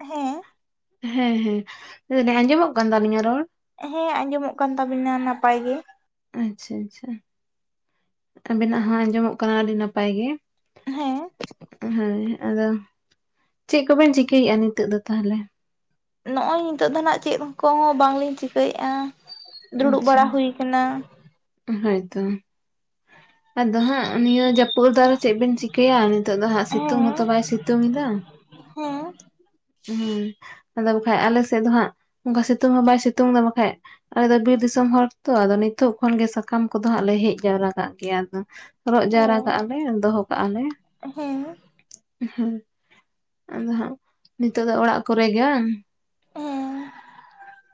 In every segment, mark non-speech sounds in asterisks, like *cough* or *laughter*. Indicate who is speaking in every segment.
Speaker 1: ᱦᱮᱸ
Speaker 2: ᱦᱮᱸ ᱦᱮᱸ ᱟᱸᱡᱚᱢᱚᱜ ᱠᱟᱱ ᱛᱟᱞᱤᱧᱟ ᱨᱚᱲ ᱾
Speaker 1: ᱦᱮᱸ ᱟᱸᱡᱚᱢᱚᱜ ᱠᱟᱱ ᱛᱟᱵᱤᱱᱟ ᱱᱟᱯᱟᱭ ᱜᱮ ᱾
Speaker 2: ᱟᱪᱪᱷᱟ ᱟᱪᱪᱷᱟ, ᱟᱵᱤᱱᱟᱜ ᱦᱚᱸ ᱟᱸᱡᱚᱢᱚᱜ ᱠᱟᱱᱟ ᱟᱰᱤ ᱱᱟᱯᱟᱭ ᱜᱮ ᱾
Speaker 1: ᱦᱮᱸ
Speaker 2: ᱦᱳᱭ, ᱟᱫᱚ ᱪᱮᱜ ᱠᱚᱵᱤᱱ ᱪᱤᱠᱟᱹᱜᱼᱟ ᱱᱤᱛᱚᱜ ᱫᱚ ᱛᱟᱦᱟᱞᱮ?
Speaker 1: ᱱᱚᱜᱼᱚᱭ ᱱᱤᱛᱚᱜ ᱫᱚ ᱱᱟᱜ ᱪᱮᱫ ᱠᱚᱦᱚᱸ ᱵᱟᱝᱞᱤᱧ ᱪᱤᱠᱟᱹᱜᱼᱟ ᱫᱩᱲᱩᱵ ᱵᱟᱲᱟ ᱦᱩᱭ ᱠᱟᱱᱟ ᱾
Speaker 2: ᱦᱚᱭ ᱛᱚ ᱾ ᱟᱫᱚ ᱦᱟᱸᱜ ᱱᱤᱭᱟᱹ ᱡᱟᱹᱯᱩᱜ ᱨᱮᱫᱚ ᱟᱨᱚ ᱪᱮᱫ ᱵᱤᱱ ᱪᱤᱠᱟᱹᱭᱟ ᱱᱤᱛᱚᱜ ᱫᱚ ᱦᱟᱸᱜ
Speaker 1: ᱦᱮᱸ
Speaker 2: ᱥᱤᱛᱩᱝ ᱦᱚᱸ ᱛᱚ ᱵᱟᱭ ᱥᱤᱛᱩᱝ ᱮᱫᱟ ᱾
Speaker 1: ᱦᱮᱸ
Speaker 2: ᱦᱮᱸ ᱟᱫᱚ ᱵᱟᱠᱷᱟᱡ ᱟᱞᱮ ᱥᱮᱫ ᱫᱚ ᱦᱟᱸᱜ ᱚᱱᱠᱟ ᱥᱤᱛᱩᱝ ᱦᱚᱸ ᱵᱟᱭ ᱥᱤᱛᱩᱝ ᱮᱫᱟ ᱵᱟᱠᱷᱟᱜᱼᱼ ᱟᱞᱮ ᱫᱚ ᱵᱤᱨ ᱫᱤᱥᱚᱢ ᱦᱚᱲ ᱛᱚ ᱟᱫᱚ ᱱᱤᱛᱚᱜ ᱠᱷᱚᱱ ᱜᱮ ᱥᱟᱠᱟᱢ ᱠᱚᱫᱚ ᱦᱟᱸᱜ ᱞᱮ ᱦᱮᱡ ᱡᱟᱣᱨᱟ ᱠᱟᱜ ᱜᱮᱭᱟ ᱟᱫᱚᱼᱼ ᱨᱚᱜ
Speaker 1: ᱦᱮᱸ
Speaker 2: ᱡᱟᱣᱨᱟ ᱠᱟᱜᱼᱟ ᱞᱮ ᱫᱚᱦᱚ ᱠᱟᱜᱼᱟ ᱞᱮ ᱾
Speaker 1: ᱦᱮᱸ
Speaker 2: ᱦᱮᱸ ᱟᱫᱚ ᱦᱟᱸᱜ ᱱᱤᱛᱚᱜ ᱫᱚ ᱚᱲᱟᱜ ᱠᱚᱨᱮ ᱜᱮ ᱵᱟᱝ?
Speaker 1: ᱦᱮᱸ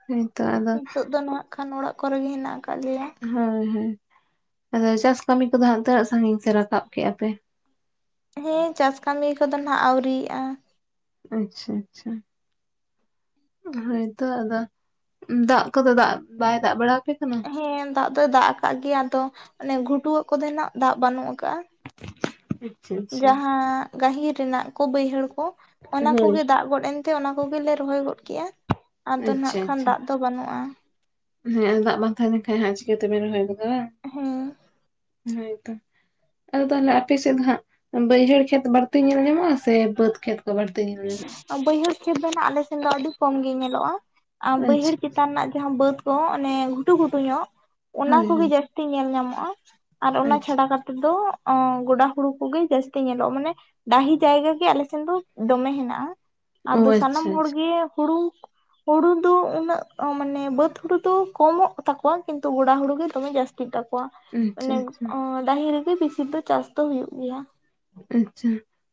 Speaker 2: ᱦᱚᱭ ᱛᱚ ᱟᱫᱼᱼ
Speaker 1: ᱱᱤᱛᱚᱜ ᱫᱚ ᱱᱟᱜ ᱠᱷᱟᱱ ᱚᱲᱟᱜ ᱠᱚᱨᱮ ᱜᱮ ᱦᱮᱱᱟᱜ ᱠᱟᱜ ᱞᱮᱭᱟ ᱾
Speaker 2: ᱦᱳᱭ ᱦᱳᱭ ᱟᱫᱚ ᱪᱟᱥ ᱠᱟᱢᱤ ᱠᱚᱫᱚ ᱦᱟᱸᱜ ᱛᱤᱱᱟᱹᱜ ᱥᱟᱺᱜᱤᱧ ᱯᱮ ᱨᱟᱠᱟᱵ ᱠᱮᱜᱼᱟ ᱯᱮ?
Speaker 1: ᱦᱮᱸ ᱪᱟᱥ ᱠᱟᱢᱤ ᱠᱚᱫᱚ ᱱᱟᱜ ᱟᱹᱣᱨᱤᱭᱟᱜᱼᱟ ᱾
Speaker 2: ᱟᱪᱪᱷᱟ ᱟᱪᱪᱷᱟ ᱾ ᱦᱳᱭ ᱛᱚ ᱟᱫᱚ, ᱫᱟᱜ ᱠᱚᱫᱚ ᱫᱟᱜ ᱵᱟᱭ ᱫᱟᱜ ᱵᱟᱲᱟᱣ ᱟᱯᱮ ᱠᱟᱱᱟ?
Speaker 1: ᱦᱮᱸ ᱫᱟᱜ ᱫᱚᱭ ᱫᱟᱜ ᱠᱟᱜ ᱜᱮᱭᱟ ᱟᱫᱚ ᱚᱱᱮ ᱜᱷᱩᱴᱩ ᱣᱟᱜ ᱠᱚᱫᱮ ᱱᱟᱜ ᱫᱟᱜ ᱵᱟᱱᱩᱜ ᱠᱟᱜᱼᱟ ᱾
Speaker 2: *unintelligible*
Speaker 1: ᱡᱟᱦᱟᱸ ᱜᱟᱦᱤᱨ ᱨᱮᱱᱟᱜ ᱼᱼ ᱠᱚ ᱵᱟᱹᱭᱦᱟᱹᱲ ᱠᱚ ᱚᱱᱟ
Speaker 2: ᱦᱳᱭ
Speaker 1: ᱠᱚᱜᱮ ᱫᱟᱜ ᱜᱚᱫ ᱮᱱᱛᱮ ᱚᱱᱟ ᱠᱚᱜᱮᱞᱮ ᱨᱚᱦᱚᱭ ᱜᱚᱫ ᱠᱮᱜᱼᱟ ᱾ ᱟᱫᱚ ᱱᱟᱜ
Speaker 2: ᱟᱪᱪᱷᱟ
Speaker 1: ᱠᱷᱟᱱ
Speaker 2: ᱟᱪᱪᱷᱟ
Speaker 1: ᱫᱟᱜ ᱫᱚ ᱵᱟᱱᱩᱜᱼᱟ ᱾
Speaker 2: ᱦᱮᱸ ᱫᱟᱜ ᱵᱟᱝ ᱛᱟᱦᱮᱸ ᱞᱮᱱ ᱠᱟᱡ ᱦᱟᱸᱜ ᱪᱤᱠᱟᱹ ᱛᱮᱵᱤᱱ ᱨᱚᱦᱚᱭ ᱜᱚᱫᱟ ᱵᱟᱝ ᱾
Speaker 1: ᱦᱮᱸ
Speaker 2: ᱦᱚᱭ ᱛᱚ, ᱟᱫᱚ ᱛᱟᱦᱚᱞᱮ ᱟᱯᱮ ᱥᱮᱫ ᱫᱚ ᱦᱟᱸᱜ ᱼᱼ ᱵᱟᱹᱭᱦᱟᱹᱲ ᱠᱷᱮᱛ ᱵᱟᱲᱛᱤ ᱧᱮᱞ ᱧᱟᱢᱚᱜᱼᱟ ᱥᱮ ᱵᱟᱹᱫᱽ ᱠᱷᱮᱛ ᱠᱚ ᱵᱟᱹᱲᱛᱤ ᱧᱮᱞ ᱧᱟᱢᱚᱜᱼᱟ ᱾
Speaker 1: ᱵᱟᱹᱭᱦᱟᱹᱲ ᱠᱷᱮᱛ ᱫᱚ ᱱᱟᱜ ᱟᱞᱮ ᱥᱮᱱ ᱫᱚ ᱟᱹᱰᱤ ᱠᱚᱢ ᱜᱮ ᱧᱮᱞᱚᱜᱼᱟ, ᱟᱨ ᱵᱟᱹᱭᱦᱟᱹᱲ
Speaker 2: ᱟᱪᱪᱷᱟ
Speaker 1: ᱪᱮᱛᱟᱱ ᱨᱮᱱᱟᱜᱼᱼ ᱡᱟᱦᱟᱸ ᱵᱟᱹᱫᱽ ᱠᱚ ᱚᱱᱮ ᱜᱷᱩᱴᱩ ᱜᱷᱩᱴᱩ ᱧᱚᱜ ᱚᱱᱟ
Speaker 2: ᱦᱳᱭ
Speaker 1: ᱠᱚᱜᱮ
Speaker 2: ᱦᱳᱭ
Speaker 1: ᱡᱟᱹᱥᱛᱤ ᱧᱮᱞ ᱧᱟᱢᱚᱜᱼᱟ ᱾ ᱟᱨ ᱚᱱᱟ
Speaker 2: ᱟᱪᱪᱷᱟ
Speaker 1: ᱪᱷᱟᱰᱟ ᱠᱟᱛᱮᱫ ᱫᱚ ᱜᱚᱰᱟ ᱦᱩᱲᱩ ᱠᱚᱜᱮ ᱡᱟᱹᱥᱛᱤ ᱧᱮᱞᱚᱜᱼᱟ ᱢᱟᱱᱮ ᱾ ᱰᱟᱦᱤ ᱡᱟᱭᱜᱟ ᱜᱮ ᱟᱞᱮ ᱥᱮᱱ ᱫᱚ ᱫᱚᱢᱮ ᱦᱮᱱᱼᱼ ᱢᱮᱱᱟᱜᱼᱟ
Speaker 2: ᱚ
Speaker 1: ᱟᱫᱚ ᱥᱟᱱᱟᱢ
Speaker 2: ᱟᱪᱪᱷᱟ
Speaker 1: ᱦᱚᱲ
Speaker 2: ᱟᱪᱪᱷᱟ
Speaker 1: ᱜᱮ ᱦᱩᱲᱩᱼᱼ ᱦᱩᱲᱩ ᱫᱚ ᱩᱱᱟᱹᱜ ᱢᱟᱱᱮ ᱵᱟᱹᱫᱽ ᱦᱩᱲᱩ ᱫᱚ ᱠᱚᱢᱚᱜ ᱛᱟᱠᱚᱣᱟ ᱠᱤᱱᱛᱩ ᱜᱚᱲᱟ ᱦᱩᱲᱩ ᱜᱮ ᱫᱚᱢᱮ ᱡᱟᱹᱥᱛᱤᱜᱼᱼ ᱛᱟᱠᱚᱣᱟ,
Speaker 2: ᱟᱪᱪᱷᱟ
Speaker 1: ᱟᱱᱮ
Speaker 2: ᱟᱪᱪᱷᱟ
Speaker 1: ᱰᱟᱦᱤ ᱨᱮᱜᱮ ᱵᱮᱥᱤ ᱫᱚ ᱪᱟᱥ ᱫᱚ ᱦᱩᱭᱩᱜ ᱜᱮᱭᱟ ᱾
Speaker 2: ᱟᱪᱪᱷᱟ,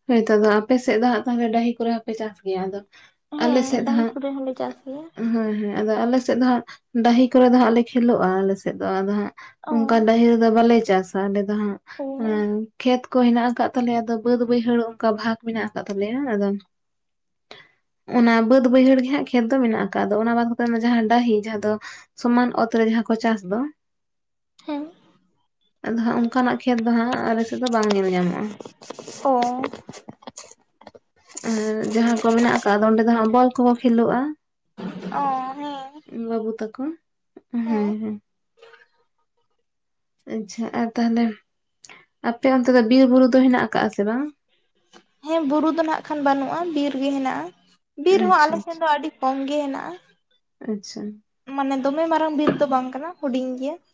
Speaker 2: ᱦᱳᱭ ᱛᱚ ᱟᱯᱮ ᱥᱮᱫ ᱫᱚ ᱦᱟᱸᱜ ᱛᱟᱦᱮ ᱰᱟᱹᱦᱤ ᱠᱚᱨᱮ ᱦᱚᱸᱯᱮ ᱪᱟᱥ ᱜᱮᱭᱟ ᱟᱫᱚ ᱾
Speaker 1: ᱦᱮᱸ ᱰᱟᱦᱤ ᱠᱚᱨᱮ ᱦᱚᱸᱞᱮ ᱪᱟᱥ ᱜᱮᱭᱟ ᱾
Speaker 2: ᱦᱮᱸ ᱦᱮᱸ ᱟᱫᱚ ᱟᱞᱮᱥᱮᱫ ᱫᱚ ᱦᱟᱸᱜ ᱰᱟᱹᱦᱤ ᱠᱚᱨᱮ ᱫᱚ ᱦᱟᱸᱜ ᱞᱮ ᱠᱷᱮᱞᱳᱜᱼᱟ ᱟᱞᱮᱥᱮᱫ ᱫᱚ ᱟᱫᱚ ᱦᱟᱸᱜᱼᱼ
Speaker 1: ᱚ
Speaker 2: ᱚᱱᱠᱟ ᱰᱟᱹᱦᱤ ᱨᱮᱫᱚ ᱵᱟᱞᱮ ᱪᱟᱥᱟ ᱟᱞᱮ ᱫᱚ ᱦᱟᱸᱜ
Speaker 1: ᱚ
Speaker 2: ᱮ ᱠᱷᱮᱛ ᱠᱚ ᱦᱮᱱᱟᱜ ᱠᱟᱫᱼᱼ ᱛᱟᱞᱮ ᱟᱫᱚ ᱵᱟᱹᱫ ᱵᱟᱹᱭᱦᱟᱹᱲ ᱚᱱᱠᱟ ᱵᱷᱟᱜ ᱢᱮᱱᱟᱜ ᱟᱠᱟᱫ ᱛᱟᱞᱮᱭᱟ, ᱟᱫᱚᱼᱼ ᱚᱱᱟ ᱵᱟᱹᱫᱽ ᱵᱟᱹᱭᱦᱟᱹᱲ ᱜᱮᱦᱟᱸᱜ ᱠᱷᱮᱛ ᱫᱚ ᱢᱮᱱᱟᱜ ᱟᱠᱟᱫ ᱟᱫᱚ ᱚᱱᱟ ᱵᱟᱫ ᱠᱟᱛᱮ ᱡᱟᱦᱟᱸ ᱰᱟᱹᱦᱤ ᱡᱟᱦᱟᱸ ᱫᱚᱼᱼ ᱥᱚᱢᱟᱱ ᱚᱛ ᱨᱮ ᱡᱟᱦᱟᱸ ᱠᱚ ᱪᱟᱥ ᱫᱚ ᱾
Speaker 1: ᱦᱮᱸ
Speaker 2: ᱟᱫᱚ ᱦᱟᱸᱜ ᱚᱱᱠᱟᱱᱟᱜ ᱠᱷᱮᱛ ᱫᱚ ᱦᱟᱸᱜ ᱟᱞᱮ ᱥᱮᱫ ᱫᱚ ᱵᱟᱝ ᱧᱮᱞ ᱧᱟᱢᱚᱜᱼᱟ ᱾
Speaker 1: ᱚ
Speaker 2: ᱟᱨ ᱡᱟᱦᱟᱸ ᱠᱚ ᱢᱮᱱᱟᱜ ᱟᱠᱟᱫᱼᱟ ᱚᱸᱰᱮ ᱫᱚ ᱦᱟᱸᱜ ᱵᱚᱞ ᱠᱚᱦᱚᱸ ᱠᱷᱮᱞᱚᱜᱼᱟ ᱾
Speaker 1: ᱚ ᱦᱮᱸ
Speaker 2: ᱤᱧ ᱵᱟᱹᱵᱩ ᱛᱟᱠᱚ, ᱦᱮᱸ ᱦᱮᱸ ᱾ ᱟᱪᱪᱷᱟ ᱟᱨ ᱛᱟᱦᱚᱞᱮ, ᱟᱯᱮ ᱚᱱᱛᱮ ᱫᱚ ᱵᱤᱨ ᱵᱩᱨᱩ ᱫᱚ ᱦᱮᱱᱟᱜ ᱟᱠᱟᱜᱼᱟ ᱥᱮ ᱵᱟᱝ?
Speaker 1: ᱦᱮᱸ ᱵᱩᱨᱩ ᱫᱚ ᱱᱟᱜ ᱠᱷᱟᱱ ᱵᱟᱹᱱᱩᱜᱼᱟ ᱵᱤᱨ ᱜᱮ ᱦᱮᱱᱟᱜᱼᱟ, ᱵᱤᱨ ᱦᱚᱸ
Speaker 2: ᱟᱪᱪᱷᱟ
Speaker 1: ᱟᱞᱮ ᱥᱮᱱ ᱫᱚ ᱟᱹᱰᱤᱼᱼ ᱠᱚᱢ ᱜᱮ ᱦᱮᱱᱟᱜᱼᱟ ᱾
Speaker 2: ᱟᱪᱪᱷᱟ
Speaker 1: ᱢᱟᱱᱮ ᱫᱚᱢᱮ ᱢᱟᱨᱟᱝ ᱵᱤᱨ ᱫᱚ ᱵᱟᱝ ᱠᱟᱱᱟ, ᱦᱩᱰᱤᱧ ᱜᱮᱭᱟ ᱾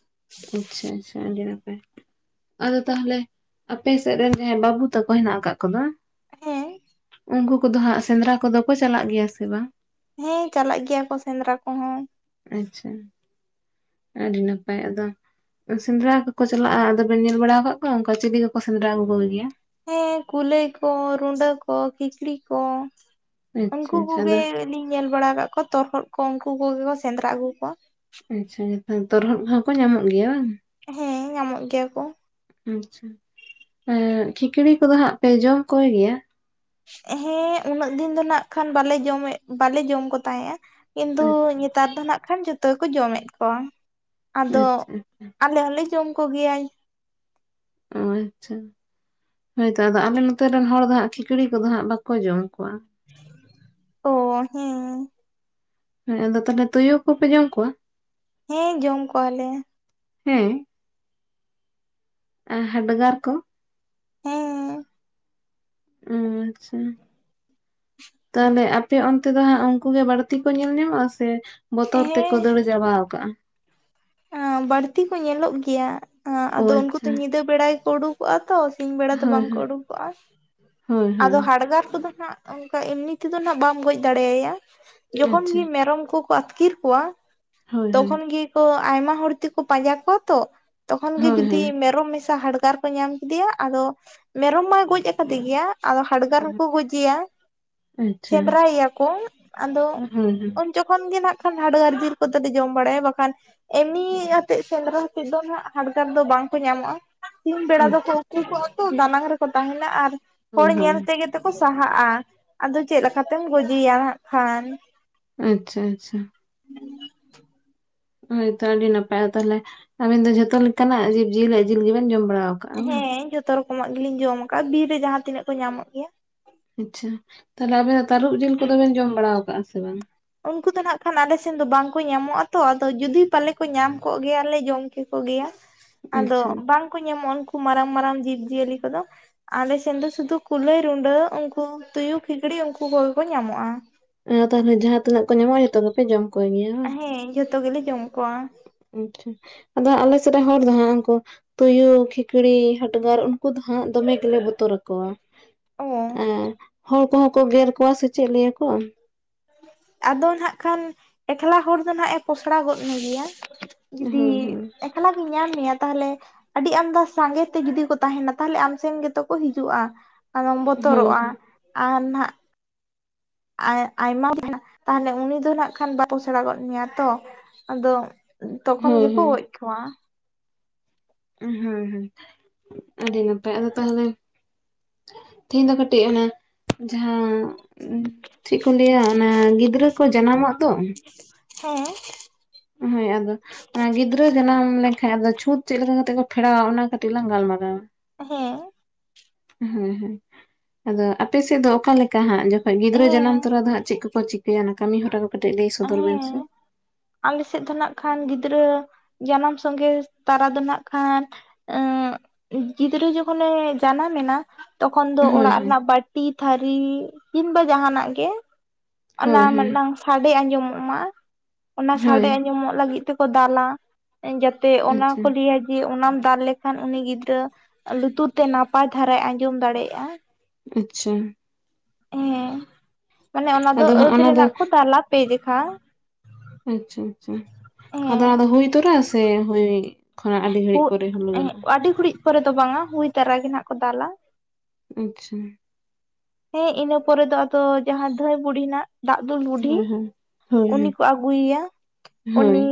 Speaker 2: ᱟᱪᱪᱷᱟ ᱟᱪᱪᱷᱟ ᱟᱹᱰᱤ ᱱᱟᱯᱟᱭ ᱾ ᱟᱫᱚ ᱛᱟᱦᱚᱞᱮ, ᱟᱯᱮ ᱥᱮᱫ ᱨᱮᱱ ᱡᱟᱦᱟᱸᱭ ᱵᱟᱹᱵᱩ ᱛᱟᱠᱚ ᱦᱮᱱᱟᱜ ᱟᱠᱟᱫ ᱠᱚᱫᱟᱼᱼ
Speaker 1: ᱦᱮᱸ
Speaker 2: ᱩᱱᱠᱩ ᱠᱚᱫᱚ ᱦᱟᱸᱜ ᱥᱮᱸᱫᱽᱨᱟ ᱠᱚᱫᱚ ᱠᱚ ᱪᱟᱞᱟᱜ ᱜᱮᱭᱟ ᱥᱮ ᱵᱟᱝ?
Speaker 1: ᱦᱮᱸ ᱪᱟᱞᱟᱜ ᱜᱮᱭᱟ ᱠᱚ ᱥᱮᱸᱫᱽᱨᱟ ᱠᱚᱦᱚᱸ ᱾
Speaker 2: ᱟᱪᱪᱷᱟ, ᱟᱹᱰᱤ ᱱᱟᱯᱟᱭ ᱟᱫᱚ ᱾ ᱥᱮᱸᱫᱽᱨᱟ ᱠᱚᱠᱚ ᱪᱟᱞᱟᱜᱼᱟ ᱟᱫᱚᱵᱚᱱ ᱧᱮᱞ ᱵᱟᱲᱟ ᱟᱠᱟᱫ ᱠᱚᱣᱟ ᱚᱱᱠᱟ ᱪᱤᱞᱤ ᱠᱚᱠᱚ ᱥᱮᱸᱫᱽᱨᱟ ᱟᱹᱜᱩ ᱠᱚᱜᱮᱭᱟ?
Speaker 1: ᱦᱮᱸ ᱠᱩᱞᱟᱹᱭ, ᱠᱚ ᱨᱩᱸᱰᱟᱹ ᱠᱚ, ᱠᱷᱤᱠᱲᱤ ᱠᱚ,
Speaker 2: ᱟᱪᱪᱷᱟ
Speaker 1: ᱩᱱᱠᱩ
Speaker 2: ᱟᱪᱪᱷᱟ ᱟᱫᱚ
Speaker 1: ᱠᱚᱜᱮ ᱾ ᱞᱤᱧ ᱧᱮᱞ ᱵᱟᱲᱟ ᱟᱠᱟᱫ ᱠᱚᱣᱟ ᱛᱚᱨᱦᱚᱫ ᱠᱚ, ᱩᱱᱠᱩ ᱠᱚᱜᱮ ᱠᱚ ᱥᱮᱸᱫᱽᱨᱟ ᱟᱹᱜᱩ ᱠᱚᱣᱟ ᱾
Speaker 2: ᱟᱪᱪᱷᱟ ᱛᱚᱨᱦᱚᱫ ᱠᱚᱦᱚᱸ ᱠᱚ ᱧᱟᱢᱚᱜ ᱜᱮᱭᱟ ᱾
Speaker 1: ᱦᱮᱸ ᱧᱟᱢᱚᱜ ᱜᱮᱭᱟ ᱠᱚ ᱾
Speaker 2: ᱟᱪᱪᱷᱟ ᱠᱷᱤᱠᱲᱤ ᱠᱚᱫᱚ ᱦᱟᱸᱜ ᱯᱮ ᱡᱚᱢ ᱠᱚ ᱜᱮᱭᱟ?
Speaker 1: ᱦᱮᱸ ᱩᱱᱟᱹᱜ ᱫᱤᱱ ᱫᱚ ᱱᱟᱜ ᱠᱷᱟᱱ ᱵᱟᱞᱮ ᱡᱚᱢᱮᱫ, ᱵᱟᱞᱮ ᱡᱚᱢ ᱠᱚ ᱛᱟᱦᱮᱸᱫᱼᱟ ᱾ ᱠᱤᱱᱛᱩ
Speaker 2: ᱟᱪᱪᱷᱟ
Speaker 1: ᱱᱮᱛᱟᱨ ᱫᱚ ᱱᱟᱜ ᱠᱷᱟᱱ ᱡᱚᱛᱚ ᱜᱮᱠᱚ ᱡᱚᱢᱮᱫ ᱠᱚᱣᱟ ᱾ ᱟᱫᱚ,
Speaker 2: ᱟᱪᱪᱷᱟ
Speaker 1: ᱟᱞᱮ ᱦᱚᱸᱞᱮ ᱡᱚᱢ ᱠᱚᱜᱮᱭᱟᱧ ᱾
Speaker 2: ᱟᱪᱪᱷᱟ ᱾ ᱦᱚᱭᱛᱚ, ᱟᱫᱚ ᱟᱞᱮ ᱱᱚᱛᱮ ᱨᱮᱱ ᱦᱚᱲ ᱫᱚ ᱦᱟᱸᱜ ᱠᱷᱤᱠᱲᱤ ᱠᱚᱫᱚ ᱦᱟᱸᱜ ᱵᱟᱠᱚ ᱡᱚᱢ ᱠᱚᱣᱟ ᱾
Speaker 1: ᱚ ᱦᱮᱸ ᱾
Speaker 2: ᱦᱮᱸ ᱟᱫᱚ ᱛᱟᱦᱚᱞᱮ ᱛᱩᱭᱩ ᱠᱚᱯᱮ ᱡᱚᱢ ᱠᱚᱣᱟ?
Speaker 1: ᱦᱮᱸ ᱡᱚᱢ ᱠᱚᱣᱟ ᱞᱮ ᱾
Speaker 2: ᱦᱮᱸ ᱦᱟᱰᱜᱟᱨ ᱠᱚ?
Speaker 1: ᱦᱮᱸ
Speaker 2: ᱟᱪᱪᱷᱟ ᱛᱟᱦᱚᱞᱮ ᱟᱯᱮ ᱚᱱᱛᱮ ᱫᱚ ᱦᱟᱸᱜ ᱩᱱᱠᱩ ᱜᱮ ᱵᱟᱹᱲᱛᱤ ᱠᱚ ᱧᱮᱞ ᱧᱟᱢᱚᱜᱼᱟ ᱥᱮ? ᱵᱚᱛᱚᱨ ᱛᱮᱠᱚ ᱫᱟᱹᱲ ᱪᱟᱵᱟ ᱟᱠᱟᱜᱼᱟ ᱾
Speaker 1: ᱚᱸ ᱵᱟᱹᱲᱛᱤ ᱠᱚ ᱧᱮᱞᱚᱜ ᱜᱮᱭᱟ,
Speaker 2: ᱚ
Speaker 1: ᱟᱫᱚ ᱩᱱᱠᱩ
Speaker 2: ᱟᱪᱪᱷᱟ
Speaker 1: ᱫᱚ ᱧᱤᱫᱟᱹ ᱵᱮᱲᱟ ᱜᱮᱠᱚ ᱩᱰᱩᱠᱼᱼ ᱟ ᱛᱚ ᱥᱤᱧ ᱵᱮᱲᱟ ᱫᱚ
Speaker 2: ᱦᱳᱭ
Speaker 1: ᱵᱟᱝᱠᱚ
Speaker 2: ᱦᱳᱭ
Speaker 1: ᱩᱰᱩᱠᱚᱜᱼᱟ, ᱚ
Speaker 2: ᱦᱳᱭ
Speaker 1: ᱟᱫᱚ
Speaker 2: ᱦᱳᱭ
Speaker 1: ᱦᱟᱰᱜᱟᱨ ᱠᱚᱫᱚ ᱱᱟᱜ ᱚᱱᱠᱟ ᱮᱢᱱᱤ ᱛᱮᱫᱚ ᱱᱟᱜ ᱵᱟᱢ ᱜᱚᱡ ᱫᱟᱲᱮᱭᱟᱭᱟ, ᱡᱚᱠᱷᱚᱱ
Speaker 2: ᱟᱪᱪᱷᱟ
Speaker 1: ᱜᱮ ᱢᱮᱨᱚᱢ ᱠᱚᱠᱚ ᱟᱹᱛᱠᱤᱨ ᱠᱚᱣᱟᱼᱼ
Speaker 2: ᱦᱳᱭ ᱦᱳᱭ
Speaker 1: ᱛᱚᱠᱷᱚᱱ ᱜᱮ ᱠᱚ ᱟᱭᱢᱟ ᱦᱚᱲ ᱛᱮᱠᱚ ᱯᱟᱸᱡᱟ ᱠᱚᱣᱟ ᱛᱚᱼᱼ ᱛᱚᱠᱷᱚᱱ ᱜᱮ
Speaker 2: ᱦᱳᱭ
Speaker 1: ᱡᱩᱫᱤ
Speaker 2: ᱦᱳᱭ
Speaker 1: ᱢᱮᱨᱚᱢ ᱢᱮᱥᱟ ᱦᱟᱰᱜᱟᱨ ᱠᱚ ᱧᱟᱢ ᱠᱮᱫᱮᱭᱟ, ᱟᱫᱚ ᱢᱮᱨᱚᱢ ᱢᱟᱭ ᱜᱚᱡ ᱟᱠᱟᱫᱮ ᱜᱮᱭᱟᱼᱼ ᱟᱫᱚ ᱦᱟᱰᱜᱟᱨ ᱦᱚᱸ ᱠᱚ ᱜᱚᱡᱮᱭᱟ,
Speaker 2: ᱟᱪᱪᱷᱟ
Speaker 1: ᱥᱮᱸᱫᱽᱨᱟ ᱭᱮᱭᱟ ᱠᱚ ᱟᱫᱚ
Speaker 2: ᱦᱳᱭ ᱦᱳᱭ
Speaker 1: ᱟᱹᱜᱼᱼ ᱡᱚᱠᱷᱚᱱ ᱜᱮ ᱱᱟᱜ ᱠᱷᱟᱱ ᱦᱟᱰᱜᱟᱨ ᱡᱤᱞ ᱠᱚᱫᱚᱞᱮ ᱡᱚᱢ ᱵᱟᱲᱟᱭᱟ ᱵᱟᱠᱷᱟᱡᱼᱼ ᱮᱢᱱᱤ ᱟᱛᱮᱫ ᱥᱮᱸᱫᱽᱨᱟ ᱟᱛᱮ ᱫᱚ ᱱᱟᱜ ᱦᱟᱰᱜᱟᱨ ᱫᱚ ᱵᱟᱝ ᱠᱚ ᱧᱟᱢᱚᱜᱼᱟ, ᱥᱤᱧ ᱵᱮᱲᱟ ᱫᱚᱠᱚᱼᱼ
Speaker 2: ᱟᱪᱪᱷᱟ
Speaker 1: ᱩᱠᱩ ᱟᱠᱚ ᱫᱟᱱᱟᱝ ᱨᱮᱠᱚ ᱛᱟᱸᱦᱮᱱᱟ, ᱟᱨ ᱦᱚᱲ
Speaker 2: ᱦᱳᱭ
Speaker 1: ᱧᱮᱞ
Speaker 2: ᱦᱳᱭ
Speaker 1: ᱛᱮᱜᱮ ᱛᱮᱠᱚ ᱥᱟᱦᱟᱜᱼᱟ, ᱟᱫᱚ ᱪᱮᱫ ᱞᱮᱠᱟᱛᱮᱢ ᱜᱚᱡᱮᱭᱟ ᱱᱟᱜ ᱠᱷᱟᱱᱼᱼ
Speaker 2: ᱟᱪᱪᱷᱟ ᱟᱪᱪᱷᱟ ᱦᱳᱭᱛᱚ ᱟᱹᱰᱤ ᱱᱟᱯᱟᱭᱟ ᱛᱟᱦᱚᱞᱮ ᱟᱵᱤᱱ ᱫᱚ ᱡᱷᱚᱛᱚ ᱞᱮᱠᱟᱱᱟᱜ ᱡᱤᱵᱽ ᱡᱤᱞ ᱡᱤᱞ ᱜᱮᱵᱮᱱ ᱡᱚᱢ ᱵᱟᱲᱟᱣ
Speaker 1: ᱦᱮᱸ ᱡᱷᱚᱛᱚ ᱨᱚᱠᱚᱢᱟᱜ ᱜᱮᱞᱤᱧ ᱡᱚᱢ ᱟᱠᱟᱫ ᱵᱤᱨ ᱨᱮ ᱡᱟᱦᱟᱸ ᱛᱤᱱᱟᱹᱜ ᱠᱚ ᱧᱟᱢᱚᱜ ᱜᱮᱭᱟ
Speaker 2: ᱟᱪᱪᱷᱟ, ᱛᱟᱦᱮᱞᱮ ᱟᱵᱮᱱ ᱫᱚ ᱛᱟᱹᱨᱩᱵ ᱡᱤᱞ ᱠᱚᱫᱚᱵᱮᱱ ᱡᱚᱢ ᱵᱟᱲᱟ ᱟᱠᱟᱛ ᱥᱮ ᱵᱟᱝ?
Speaker 1: ᱩᱱᱠᱩ ᱫᱚ ᱱᱟᱜ-ᱠᱷᱟᱱ ᱟᱞᱮᱥᱮᱱ ᱫᱚ ᱵᱟᱝᱠᱚ ᱧᱟᱢᱚᱜᱼᱟ ᱛᱚ, ᱟᱫᱚ ᱡᱩᱫᱤ ᱯᱟᱞᱮ ᱠᱚ ᱧᱟᱢ ᱠᱚᱜ ᱜᱮᱭᱟᱞᱮ ᱡᱚᱢ ᱠᱮᱠᱚ ᱜᱮᱭᱟ᱾
Speaker 2: *inaudible*
Speaker 1: ᱟᱫᱚ ᱵᱟᱝᱠᱚ ᱧᱟᱢᱚᱜᱼᱟ ᱩᱱᱠᱩ ᱢᱟᱨᱟᱝ ᱢᱟᱨᱟᱝ ᱡᱤᱵᱽ ᱡᱤᱭᱟᱹᱞᱤ ᱠᱚᱫᱚ ᱟᱞᱮᱥᱮᱱ ᱫᱚ ᱥᱩᱫᱷᱩ ᱠᱩᱞᱟᱹᱭ, ᱨᱩᱰᱟᱹ ᱩᱱᱠᱩ ᱛᱩᱭᱩ, ᱠᱷᱤᱠᱲᱤ ᱩᱱᱠᱩ ᱠᱚᱜᱮ ᱠᱚ ᱧᱟᱢᱚᱜᱼᱟ᱾
Speaker 2: ᱛᱟᱦᱚᱞᱮ ᱡᱟᱦᱟᱸ ᱛᱤᱱᱟᱹᱜ ᱠᱚ ᱧᱟᱢᱚᱜᱼᱟ ᱡᱚᱛᱚᱜᱮ ᱯᱮ ᱡᱚᱢ ᱠᱚᱜᱮ ᱜᱮᱭᱟ ᱵᱟᱝ
Speaker 1: ᱦᱮᱸ ᱡᱷᱚᱛᱚ ᱜᱮᱞᱮ ᱡᱚᱢ ᱠᱚᱣᱟ
Speaker 2: ᱟᱪᱪᱷᱟ ᱟᱫᱚ ᱟᱞᱮ ᱥᱮᱫ ᱨᱮ ᱦᱚᱲ ᱫᱚ ᱦᱟᱸᱜ ᱩᱱᱠᱩ ᱛᱩᱭᱩ, ᱠᱷᱤᱠᱲᱤ, ᱦᱟᱰᱜᱟᱨ ᱩᱱᱠᱩ ᱫᱚ ᱦᱟᱸᱜ ᱫᱚᱢᱮ ᱜᱮᱞᱮ ᱵᱚᱛᱚᱨ ᱟᱠᱚᱣᱟ᱾
Speaker 1: ᱚ
Speaker 2: ᱟᱨ ᱦᱚᱲ ᱠᱚᱦᱚᱸ ᱠᱚ ᱜᱮᱨ ᱠᱚᱣᱟ ᱥᱮ ᱪᱮᱫ ᱞᱟᱹᱭᱟᱠᱚ?
Speaker 1: ᱟᱫᱚ ᱱᱟᱜ ᱠᱷᱟᱱ ᱮᱠᱞᱟ ᱦᱚᱲ ᱫᱚ ᱱᱟᱦᱮᱸ ᱡᱚᱥᱲᱟ ᱜᱚᱫ ᱢᱮ ᱜᱮᱭᱟ ᱡᱩᱫᱤ
Speaker 2: ᱦᱳᱭ ᱦᱳᱭ
Speaker 1: ᱮᱠᱞᱟᱜᱤᱧ ᱧᱟᱢ ᱢᱮᱭᱟ ᱛᱟᱦᱚᱞᱮ ᱟᱹᱰᱤ ᱟᱢᱫᱟ ᱥᱟᱸᱜᱮ ᱛᱮ ᱡᱩᱫᱤ ᱠᱚ ᱛᱟᱦᱮᱱᱟ ᱟᱢ ᱥᱮᱱ ᱜᱮᱛᱚ ᱠᱚ ᱦᱤᱡᱩᱜᱼᱟ᱾ ᱟᱢᱚᱢ ᱵᱚᱛᱚᱨᱚᱜᱼᱟ
Speaker 2: ᱦᱳᱭ
Speaker 1: ᱟᱨ ᱱᱟᱦᱟᱜ ᱟᱭ ᱟᱭᱢᱟ *unintelligible* ᱛᱟᱦᱚᱞᱮ ᱩᱱᱤ ᱫᱚ ᱱᱟᱜ ᱠᱷᱟᱱ ᱵᱟ ᱯᱚᱥᱬᱟ ᱜᱚᱫ ᱢᱮᱭᱟ ᱛᱚ ᱟᱫᱚ ᱛᱚᱠᱷᱚᱱ
Speaker 2: ᱦᱳᱭ
Speaker 1: ᱜᱮᱠᱚ ᱜᱚᱡ ᱠᱚᱣᱟ
Speaker 2: ᱦᱩᱸ ᱦᱩᱸ ᱟᱹᱰᱤ ᱱᱟᱯᱟᱭ ᱟᱫᱚ ᱛᱟᱦᱞᱮ ᱛᱤᱦᱤᱧ ᱫᱚ ᱠᱟᱹᱴᱤᱡ ᱚᱱᱟ ᱡᱟᱦᱟᱸ ᱪᱮᱫ ᱠᱚ ᱞᱟᱹᱭᱟ ᱚᱱᱟ ᱜᱤᱫᱽᱨᱟᱹ ᱠᱚ ᱡᱟᱱᱟᱢᱚᱜ ᱫᱚ
Speaker 1: ᱦᱚ
Speaker 2: ᱦᱳᱭ ᱟᱫᱚ ᱚᱱᱟ ᱜᱤᱫᱽᱨᱟᱹ ᱡᱟᱱᱟᱢ ᱞᱮᱱᱠᱷᱟᱡ ᱟᱫᱚ ᱪᱷᱩᱸᱛ ᱪᱮᱫ ᱞᱮᱠᱟ ᱠᱟᱛᱮᱜ ᱠᱚ ᱯᱷᱮᱲᱟᱣᱟ ᱚᱱᱟ ᱠᱟᱹᱴᱤᱡ ᱞᱟᱝ ᱜᱟᱞᱢᱟᱨᱟᱣᱟ
Speaker 1: ᱦᱮᱸ
Speaker 2: ᱦᱮᱸ ᱦᱮᱸ ᱟᱫᱚ ᱟᱯᱮ ᱥᱮᱫ ᱫᱚ ᱚᱠᱟ ᱞᱮᱠ ᱠᱟᱦᱟᱸ ᱡᱚᱠᱷᱚᱱ ᱜᱤᱫᱽᱨᱟᱹ ᱡᱟᱱᱟᱢ
Speaker 1: ᱦᱮᱸ
Speaker 2: ᱛᱚᱨᱟ ᱫᱚ ᱦᱟᱸᱜ ᱪᱮᱫ ᱠᱚᱠᱚ ᱪᱤᱠᱟᱹᱭᱟ ᱚᱱᱟ ᱠᱟᱹᱢᱤ ᱦᱚᱨᱟ ᱠᱚ ᱠᱟᱹᱴᱤᱡ ᱞᱟᱹᱭ ᱥᱚᱫᱚᱨ ᱵᱮᱱ ᱥᱮ᱾
Speaker 1: ᱦᱮᱸ ᱟᱞᱮ ᱥᱮᱫ ᱫᱚ ᱱᱟᱜ ᱠᱷᱟᱱ ᱜᱤᱫᱽᱨᱟᱹ ᱡᱟᱱᱟᱢ ᱥᱚᱸᱜᱮ ᱛᱟᱨᱟ ᱫᱚ ᱱᱟᱜ ᱠᱷᱟᱱ ᱮᱜ ᱜᱤᱫᱽᱨᱟᱹ ᱡᱚᱠᱷᱚᱱᱮ ᱡᱟᱱᱟᱢ ᱮᱱᱟ ᱛᱚᱠᱷᱚᱱ ᱫᱚ
Speaker 2: ᱦᱳᱭ
Speaker 1: ᱚᱲᱟᱜ
Speaker 2: ᱦᱳᱭ
Speaker 1: ᱨᱮᱱᱟᱜ ᱵᱟᱹᱴᱤ ᱛᱷᱟᱹᱨᱤ ᱠᱤᱢᱵᱟ ᱡᱟᱦᱟᱱᱟᱜ ᱜᱮ ᱚᱱᱟ
Speaker 2: ᱦᱳᱭ ᱦᱳᱭ
Speaker 1: ᱢᱤᱫᱴᱟᱝ ᱥᱟᱰᱮ ᱟᱸᱡᱚᱢᱚᱜ ᱢᱟ ᱚᱱᱟ ᱥᱟᱰᱮ
Speaker 2: ᱦᱳᱭ
Speaker 1: ᱟᱸᱡᱚᱢᱚᱜ ᱞᱟᱹᱜᱤᱫ ᱛᱮᱠᱚ ᱫᱟᱞᱟ ᱡᱟᱛᱮ ᱚᱱᱟ
Speaker 2: ᱟᱪᱪᱷᱟ
Speaker 1: ᱠᱚ ᱞᱟᱹᱭᱟ ᱡᱮ ᱚᱱᱟᱢ ᱫᱟᱞ ᱞᱮᱠᱷᱟᱱ ᱩᱱᱤ ᱜᱤᱫᱽᱨᱟᱹ ᱞᱩᱛᱩᱨ ᱛᱮ ᱱᱟᱯᱟᱭ ᱫᱷᱟᱨᱟᱭ ᱟᱸᱡᱚᱢ ᱫᱟᱲᱮᱭᱟᱜᱼᱟ᱾
Speaker 2: ᱟᱪᱪᱷᱟ
Speaker 1: ᱦᱮᱸ ᱢᱟᱱᱮ ᱚᱱᱟ ᱫᱚ
Speaker 2: ᱟᱫᱚ ᱦᱟᱸᱜ
Speaker 1: ᱟᱹᱫ
Speaker 2: ᱚᱱᱟ ᱫᱚ
Speaker 1: ᱨᱮᱱᱟᱜ ᱠᱚ ᱫᱟᱞᱟᱹ ᱯᱮ ᱡᱮᱠᱷᱟ
Speaker 2: ᱟᱪᱪᱷᱟ ᱟᱪᱪᱷᱟ ᱟᱫᱚ
Speaker 1: ᱦᱮᱸ
Speaker 2: ᱚᱱᱟᱫᱚ ᱦᱩᱭ ᱛᱚᱨᱟ ᱥᱮ ᱦᱩᱭ ᱠᱷᱚᱱᱟᱜ ᱟᱹᱰᱤ ᱜᱷᱟᱹᱲᱤᱡ
Speaker 1: ᱦᱩᱜ
Speaker 2: ᱯᱚᱨᱮ ᱦᱚᱸᱞᱳ ᱜᱟᱱᱚᱜᱼᱟ᱾
Speaker 1: ᱟᱹᱰᱤ ᱜᱩᱲᱤᱡ ᱯᱚᱨᱮ ᱫᱚ ᱵᱟᱝᱟ ᱦᱩᱭ ᱛᱟᱨᱟ ᱜᱮ ᱱᱟᱜ ᱠᱚ ᱫᱟᱞᱟ
Speaker 2: ᱟᱪᱪᱷᱟ
Speaker 1: ᱦᱮᱸ ᱤᱱᱟᱹ ᱯᱚᱨᱮ ᱫᱚ ᱟᱫᱚ ᱡᱟᱦᱟᱸ ᱫᱷᱟᱹᱭ ᱵᱩᱲᱦᱤᱱᱟᱜ ᱫᱟᱜ ᱫᱩᱞ ᱵᱩᱰᱷᱤ
Speaker 2: ᱦᱳᱭ ᱦᱳᱭ ᱦᱳᱭ
Speaker 1: ᱩᱱᱤ
Speaker 2: ᱦᱳᱭ
Speaker 1: ᱠᱚ ᱟᱹᱜᱩᱭᱮᱭᱟ
Speaker 2: ᱦᱳᱭ
Speaker 1: ᱩᱱᱤ